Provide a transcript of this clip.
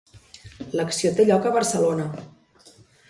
L'acció té lloc a Barcelona.